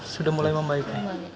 sudah mulai membaik